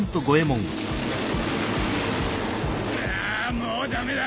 あもうダメだ！